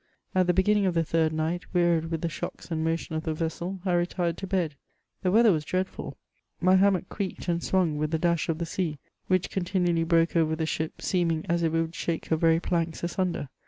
At the beginning cf the third night, wearied with the shocks and motion of the vessel, I retired to bed. The weather was dreadful; my hanunoek creaked and swung with the dash of the sea, which oontiauaily broke over the ship, seeming as if it would shake her very planb asunder.